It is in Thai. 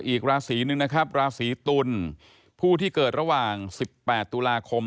อีกราศีหนึ่งนะครับราศีตุลผู้ที่เกิดระหว่าง๑๘ตุลาคม